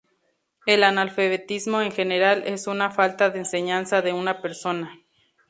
El analfabetismo en general es una falta de enseñanza de una persona.